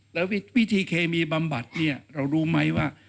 แล้ววิธีเคมีบำบัดเนี่ยเรารู้ไหมว่า